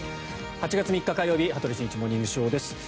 ８月３日、火曜日「羽鳥慎一モーニングショー」。